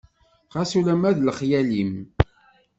Xas ulama d lexyal-im.